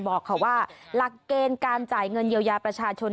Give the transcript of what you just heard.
บอกว่าหลักเกณฑ์การจ่ายเงินเยียวยาประชาชน